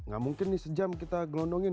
gak mungkin nih sejam kita gelondongin